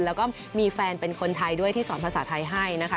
แล้วก็มีแฟนเป็นคนไทยด้วยที่สอนภาษาไทยให้นะคะ